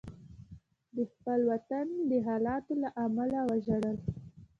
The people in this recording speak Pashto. د خپل وطن د حالاتو له امله وژړل.